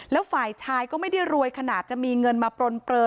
แล้วฝ่ายชายก็ไม่ได้รวยขนาดจะมีเงินมาปลนเปลือ